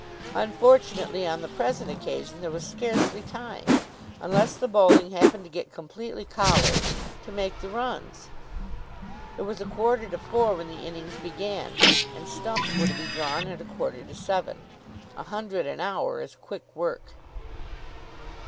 Unfortunately, on the present occasion, there was scarcely time, unless the bowling happened to get completely collared, to make the runs. It was a quarter to four when the innings began, and stumps were to be drawn at a quarter to seven. A hundred an hour is quick work.